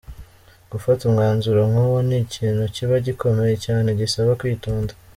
Gufata umwanzuro nk’uwo ni ikintu kiba gikomeye cyane gisaba kwitonda.